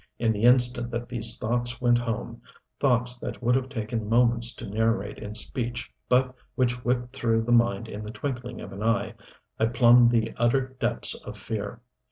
In the instant that these thoughts went home thoughts that would have taken moments to narrate in speech but which whipped through the mind in the twinkling of an eye I plumbed the utter depths of fear.